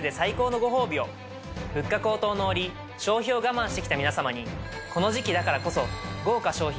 物価高騰の折消費を我慢して来た皆様にこの時期だからこそ。